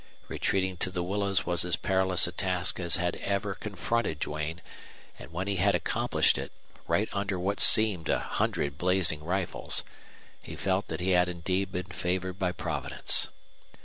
Retreating to the willows was as perilous a task as had ever confronted Duane, and when he had accomplished it, right under what seemed a hundred blazing rifles, he felt that he had indeed been favored by Providence.